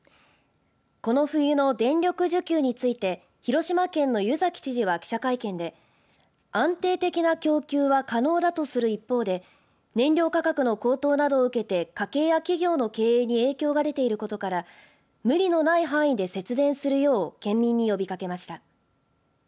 この冬の電力需給について広島県の湯崎知事は記者会見で安定的な供給は可能だとする一方で燃料価格の高騰などを受けて家計や企業の経営に影響が出ていることから無理のない範囲で節電するよう県民に呼びかけました。